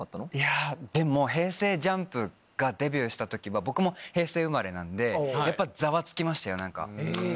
ＪＵＭＰがデビューした時は僕も平成生まれなんでやっぱざわつきましたよ何か。